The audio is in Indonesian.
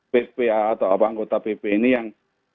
ppa atau apa anggota pp ini yang